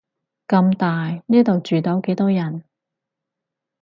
咁大，呢度住到幾多人